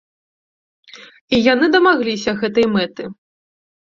І яны дамагліся гэтай мэты.